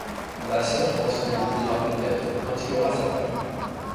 Ma sœur pense qu’il l’épousera peut-être, quand il aura sa part.